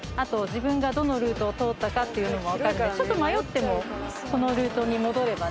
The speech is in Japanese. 自分がどのルートを通ったかっていうのも分かるんでちょっと迷ってもこのルートに戻ればね。